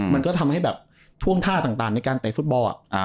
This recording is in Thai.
มันก็ทำให้แบบท่วงท่าต่างในการเตะฟุตบอล